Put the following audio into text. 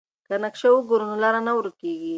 که نقشه وګورو نو لار نه ورکيږي.